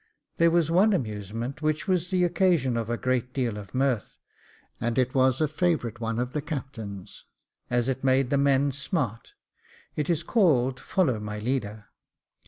There was one amusement 360 Jacob Faithful which was the occasion of a great deal of mirth, and it was a favourite one of the captain's, as it made the men smart. It is called, " Follow my leader."